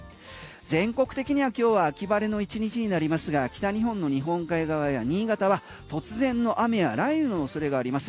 全国的には今日は秋晴れの１日になりますが北日本の日本海側や新潟は突然の雨や雷雨のおそれがあります。